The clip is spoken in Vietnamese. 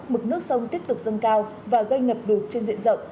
mực nước sông tiếp tục dâng cao và gây ngập lụt trên diện rộng